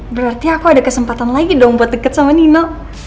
berarti aku ada kesempatan lagi dong buat deket sama nino